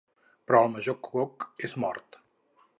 Però el major Cook és mort.